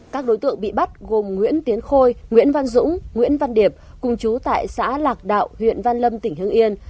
các đối tượng bị bắt gồm nguyễn tiến khôi nguyễn văn dũng nguyễn văn điệp cùng chú tại xã lạc đạo huyện văn lâm tỉnh hưng yên